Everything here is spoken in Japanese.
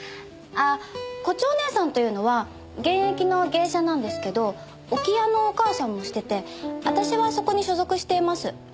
あっ胡蝶姐さんというのは現役の芸者なんですけど置屋のおかあさんもしてて私はそこに所属しています。